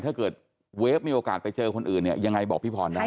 ถ้าเกิดเวฟมีโอกาสไปเจอคนอื่นเนี่ยยังไงบอกพี่พรได้